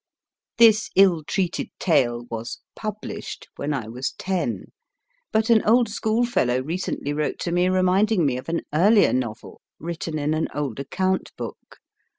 This ill treated tale was published when I was ten, but an old schoolfellow recently wrote to me reminding me of an earlier novel written in an old account book.